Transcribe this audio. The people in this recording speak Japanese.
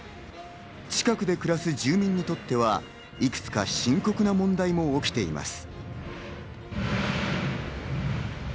近くで暮らす住民にとってはいくつか深刻な問題も起きています。